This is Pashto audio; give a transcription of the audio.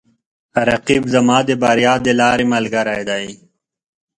رقیب زما د بریا د لارې ملګری دی